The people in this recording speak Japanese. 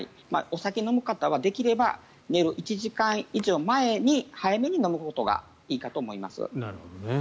お酒を飲む方はできれば寝る１時間以上前に早めに飲むことがいいかと思います。